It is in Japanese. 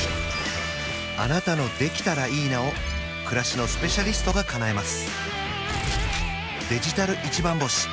あなたの「できたらいいな」を暮らしのスペシャリストがかなえます